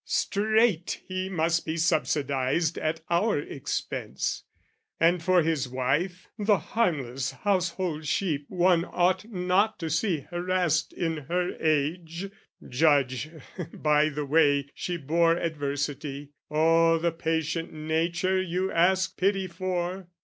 Straight He must be subsidised at our expense: And for his wife the harmless household sheep One ought not to see harassed in her age Judge, by the way she bore adversity, O' the patient nature you ask pity for!